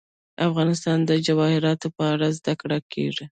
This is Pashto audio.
افغانستان کې د جواهرات په اړه زده کړه کېږي.